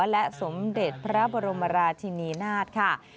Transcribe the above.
และสมเด็จพระบรมราชินีนาฏค่ะ